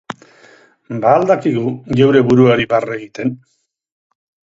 Ba al dakigu geure buruari barre egiten?